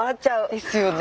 ですよね。